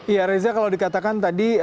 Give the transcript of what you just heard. iya reza kalau dikatakan tadi